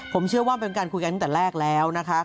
ผมเชื่อว่าเป็นการคุยกันตั้งแต่แรกแล้วนะคะ